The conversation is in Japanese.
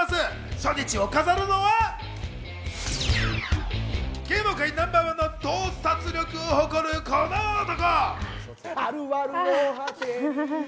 初日を飾るのは芸能界ナンバーワンの洞察力を誇るこの男。